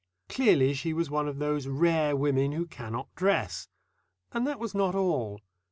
Clearly she was one of those rare women who cannot dress. And that was not all.